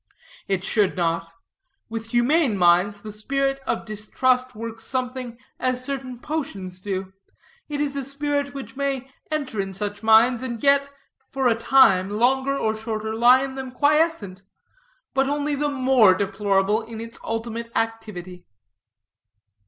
"It should not. With humane minds, the spirit of distrust works something as certain potions do; it is a spirit which may enter such minds, and yet, for a time, longer or shorter, lie in them quiescent; but only the more deplorable its ultimate activity."